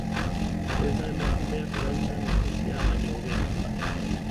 Ez da emakumeak dantzan ikustea baino hoberik.